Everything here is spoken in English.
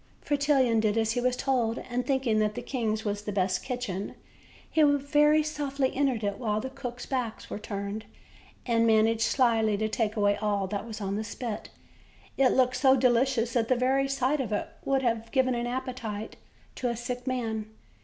Fretillon did as he was told, and, thinking that the king's was the best kitchen, he very softly entered it while the cooks' backs were turned, and managed slyly to take away all that was on the spit; it looked so delicious that the very sight of it would have given an appetite to a sick man.